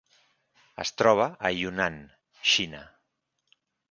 Es troba a Yunnan, Xina.